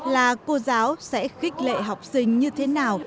là cô giáo sẽ khích lệ học sinh như thế nào